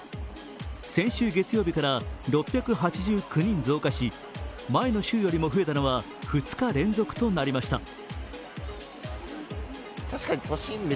先週月曜日から６８９人増加し、前の週よりも増えたのは２日連続となりました。